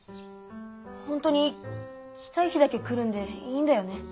ほんとに来たい日だけ来るんでいいんだよね。